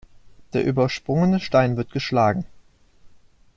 Der übersprungene Stein wird geschlagen.